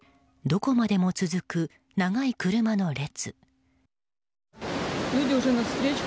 どこまでも続く長い車の列。